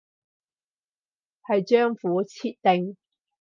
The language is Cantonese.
係賬戶設定